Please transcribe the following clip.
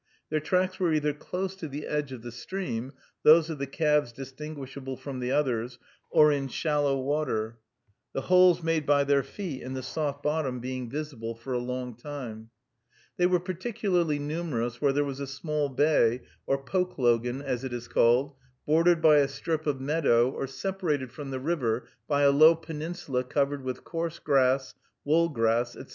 Their tracks were either close to the edge of the stream, those of the calves distinguishable from the others, or in shallow water; the holes made by their feet in the soft bottom being visible for a long time. They were particularly numerous where there was a small bay, or pokelogan, as it is called, bordered by a strip of meadow, or separated from the river by a low peninsula covered with coarse grass, wool grass, etc.